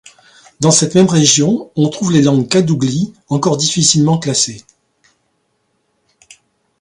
Dans cette même région, on trouve les langues kadougli, encore difficilement classées.